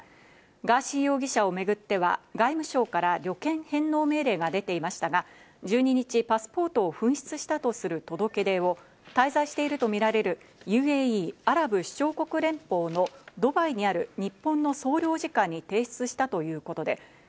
ガーシー容疑者をめぐっては外務省から旅券返納命令が出ていましたが、１２日、パスポートを紛失したとする届け出を滞在しているとみられるＵＡＥ＝アラブ首長国連邦のかけるだけでテイスティなサラダに。